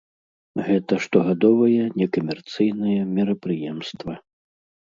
Гэта штогадовае некамерцыйнае мерапрыемства.